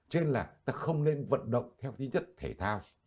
cho nên là ta không nên vận động theo tính chất thể thao